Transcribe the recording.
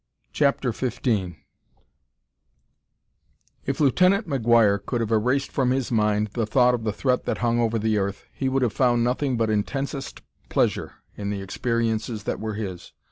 CHAPTER XV If Lieutenant McGuire could have erased from his mind the thought of the threat that hung over the earth he would have found nothing but intensest pleasure in the experiences that were his.